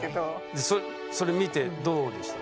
でそれ見てどうでした？